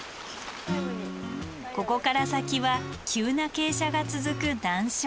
ここから先は急な傾斜が続く難所。